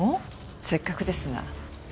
せっかくですが。